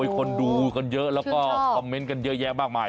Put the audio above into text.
คนดูกันเยอะแล้วก็คอมเมนต์กันเยอะแยะมากมาย